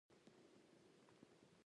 وختونه لکه د اغزیو باره تېرېدل